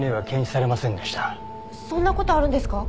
そんな事あるんですか？